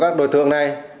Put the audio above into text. các đối tượng này